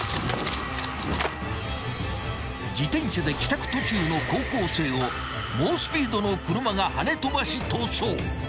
［自転車で帰宅途中の高校生を猛スピードの車がはね飛ばし逃走］